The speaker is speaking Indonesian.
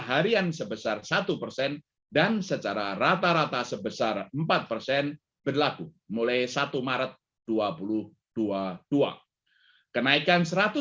harian sebesar satu persen dan secara rata rata sebesar empat persen berlaku mulai satu maret dua ribu dua puluh dua kenaikan